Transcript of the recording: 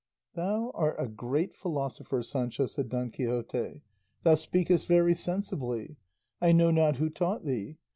"Thou art a great philosopher, Sancho," said Don Quixote; "thou speakest very sensibly; I know not who taught thee.